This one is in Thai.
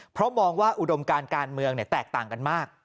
เพราะมองว่าอุดมการการเมืองแตกต่างกันมาก